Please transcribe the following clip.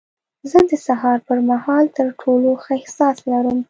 زه د سهار پر مهال تر ټولو ښه احساس لرم.